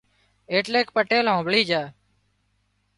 ايٽليڪ پٽيل هامڀۯي جھا